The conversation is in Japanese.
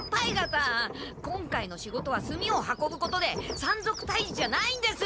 今回の仕事は炭を運ぶことで山賊たいじじゃないんです！